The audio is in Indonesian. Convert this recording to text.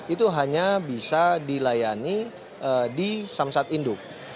itu hanya bisa dilayani di samsat induk